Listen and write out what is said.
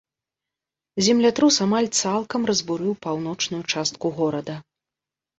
Землятрус амаль цалкам разбурыў паўночную частку горада.